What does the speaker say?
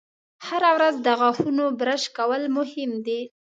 هره ورځ د غاښونو برش کول مهم دي.